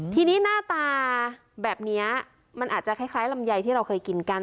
ทีนี้หน้าตาแบบนี้มันอาจจะคล้ายลำไยที่เราเคยกินกัน